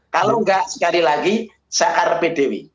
kalau tidak sekali lagi sakar bdw